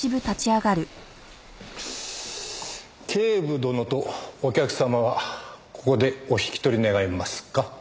警部殿とお客様はここでお引き取り願えますか？